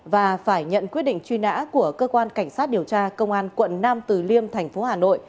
và phải nhận quyết định truy nã của cơ quan cảnh sát điều tra công an quận năm từ liêm tp hcm